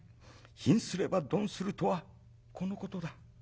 『貧すれば鈍する』とはこのことだ。